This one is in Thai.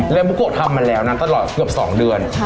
แล้วหมุโก่ต้มาแล้วอันต่อตลอดเกือบ๒เดือน